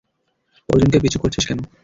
অর্জুনকে পিছু করছিস কেন?